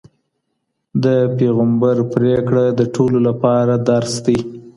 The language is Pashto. د پیغمبر پرېکړه د ټولو لپاره درس دی.